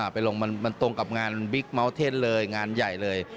ไปลงมันตรงกับงานบิ๊กเมาสเทนเลยงานใหญ่เลย